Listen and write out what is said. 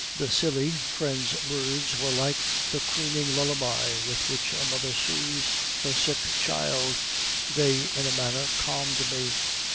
"The silly, friendly words were like the crooning lullaby with which a mother soothes her sick child; they in a manner calmed me.